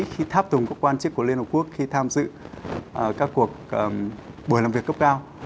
khi tháp tùng các quan chức của liên hợp quốc khi tham dự các cuộc buổi làm việc cấp cao